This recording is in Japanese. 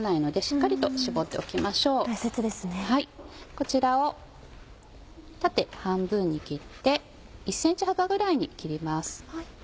こちらを縦半分に切って１ｃｍ幅ぐらいに切ります。